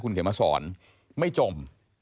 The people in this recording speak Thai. คุณคิดมาสอนไม่จม